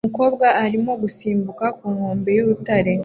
Umukobwa arimo gusimbuka ku nkombe y'urutare